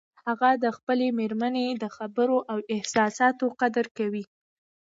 هغه د خپلې مېرمنې د خبرو او احساساتو قدر کوي